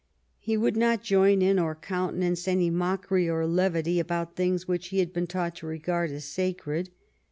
He would not join in or counte nance any mockery or levity about things which he had been taught to regard as sacred.